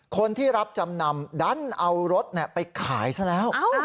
คนที่รับจำนำดันเอารถไปขายซะแล้ว